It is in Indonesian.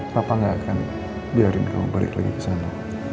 papa gak akan biarin kamu balik lagi kesana